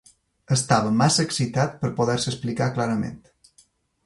Estava massa excitat per poder-se explicar clarament